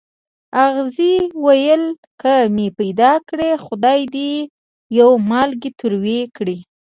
اغزي ویل که مې پیدا کړې خدای دې یو مالګی تروې کړي.